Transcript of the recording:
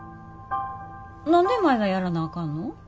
何で舞がやらなあかんの？